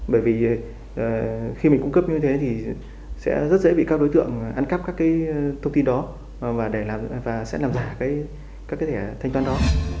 bởi vì khi mình cung cấp như thế thì sẽ rất dễ bị các đối tượng ăn cắp các cái thông tin đó để và sẽ làm giả các cái thẻ thanh toán đó